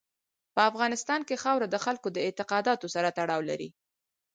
په افغانستان کې خاوره د خلکو د اعتقاداتو سره تړاو لري.